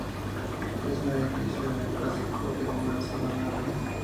Es un edificio de neoclásico, de una sola nave.